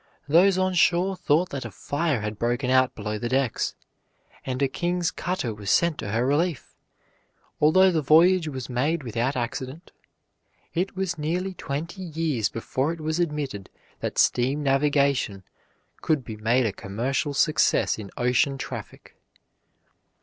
Those on shore thought that a fire had broken out below the decks, and a king's cutter was sent to her relief. Although the voyage was made without accident, it was nearly twenty years before it was admitted that steam navigation could be made a commercial success in ocean traffic.